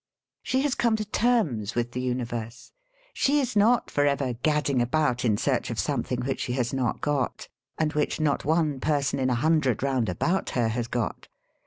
She has come to terma with the universe. She is not for ever gadding about in search of something which she has not got, and which not one person in a hundred round about her has got.